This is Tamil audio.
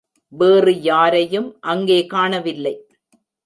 வேறு யாரையும் அங்கே காணவில்லை.